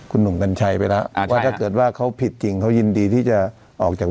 คุณหนุ่มกัญชัยไปแล้วว่าถ้าเกิดว่าเขาผิดจริงเขายินดีที่จะออกจาก